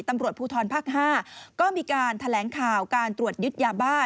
ตำรวจภูทรภาค๕ก็มีการแถลงข่าวการตรวจยึดยาบ้า